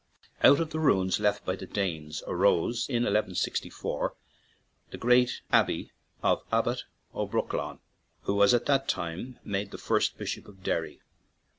Out of the ruins left by the Danes arose in 1 164 the "Great Abbey of Abbot O'Brolchain/' who was at that time made the first bishop of Derry.